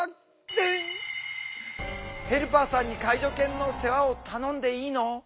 ヘルパーさんに介助犬の世話を頼んでいいの？